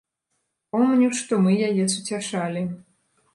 Помню, што мы яе суцяшалі.